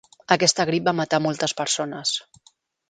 Aquesta grip va matar moltes persones.